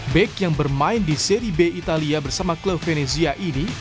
beck yang bermain di serie b italia bersama claude venezia ini